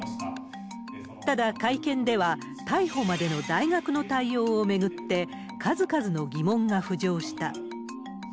ただ、会見では、逮捕までの大学の対応を巡って、数々の疑問が浮上した。